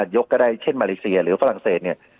ยกก็ได้เช่นมาเลเซียหรือฝรั่งเศสเนี่ย